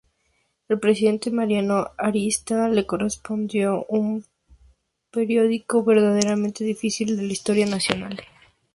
Al presidente Mariano Arista le correspondió un periodo verdaderamente difícil de la historia nacional.